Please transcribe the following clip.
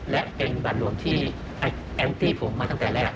และเป็นบัตรหลวงที่แองตี้ผมมาตั้งแต่แรก